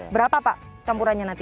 berapa pak campurannya nanti